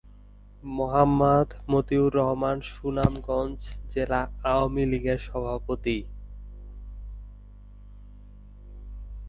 মোহাম্মদ মতিউর রহমান সুনামগঞ্জ জেলা আওয়ামী লীগের সভাপতি।